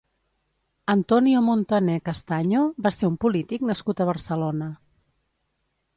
Antonio Montaner Castaño va ser un polític nascut a Barcelona.